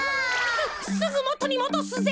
すぐもとにもどすぜ。